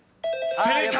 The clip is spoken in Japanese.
［正解！］